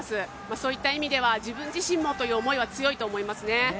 そういった意味では、自分自身もという思いは強いと思いますね。